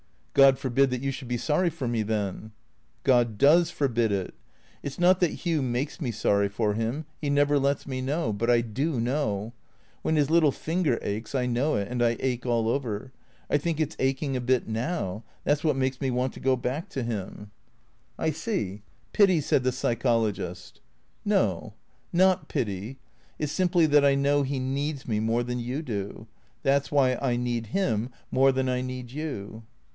"■' God forbid that you should be sorry for me, then." " God does forbid it. It 's not that Hugh maJces me sorry for him; he never lets me know; but I do know. When his little linger aches I know it, and I ache all over — I think it 's aching a bit now ; that 's what makes me want to go back to him." THECEEATORS 485 " I see — Pity," said the psychologist. " No. Not pity. It 's simply that I know he needs me more than you do. That 's why I need him more than I need you."